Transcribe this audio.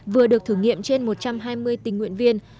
vừa được thử nghiệm trên một trăm hai mươi tình nguyện viên